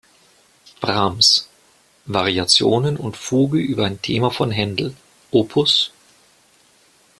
Brahms: Variationen und Fuge über ein Thema von Händel op.